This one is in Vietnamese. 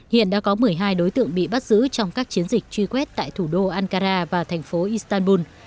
hiện đã có một mươi hai đối tượng bị bắt giữ trong các chiến dịch truy quét tại thủ đô ankara và thành phố istanbul